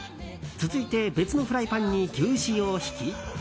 続いて、別のフライパンに牛脂をひき。